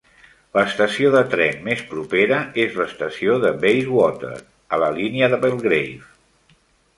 L'estació de tren més propera és l'estació de Bayswater, a la línia de Belgrave.